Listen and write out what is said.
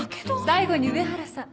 最後に上原さん。